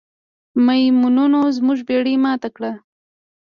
میمونونو زموږ بیړۍ ماته کړه.